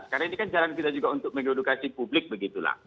karena ini kan jalan kita juga untuk mengedukasi publik begitulah